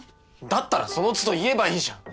だったらその都度言えばいいじゃん。